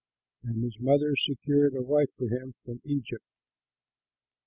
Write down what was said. And his mother secured a wife for him from Egypt.